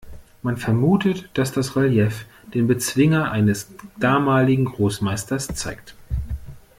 Man vermutet, dass das Relief den Bezwinger eines damaligen Großmeisters zeigt.